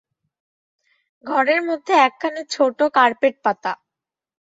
ঘরের মধ্যে একখানি ছোট কার্পেট পাতা।